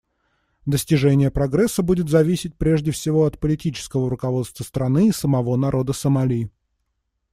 Достижение прогресса будет зависеть, прежде всего, от политического руководства страны и самого народа Сомали.